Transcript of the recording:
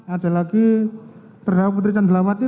ada lagi terdakwa putri candrawati